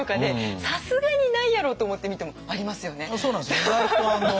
意外と。